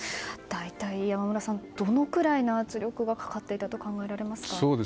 大体どのくらいの圧力がかかっていたと考えられますか。